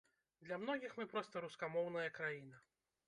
Для многіх мы проста рускамоўная краіна.